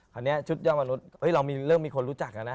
คราวนี้ชุดเยาะมนุษย์เรามีเรื่องมีคนรู้จักแล้วนะ